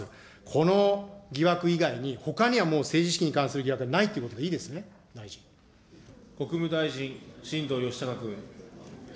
この疑惑以外に、ほかにはもう政治資金に関する疑惑がないという国務大臣、新藤義孝君。